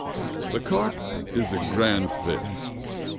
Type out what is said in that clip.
... "The carp is a grand fish!